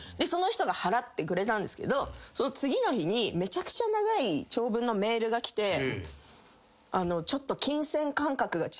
その人が払ってくれたんですけど次の日にめちゃくちゃ長い長文のメールが来て。